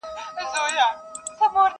سمدستي یې پلرنی عادت په ځان سو!.